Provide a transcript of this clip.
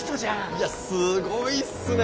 いやすごいっすね。